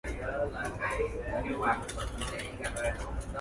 Values can include ideas about morality, social justice, family, education, and more.